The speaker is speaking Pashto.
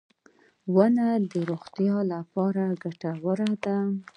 • ونه د روغتیا لپاره ګټوره ده.